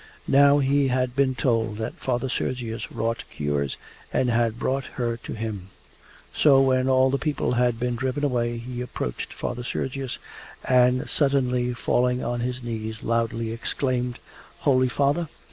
Now he had been told that Father Sergius wrought cures, and had brought her to him. So when all the people had been driven away he approached Father Sergius, and suddenly falling on his knees loudly exclaimed: 'Holy Father!